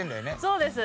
そうです。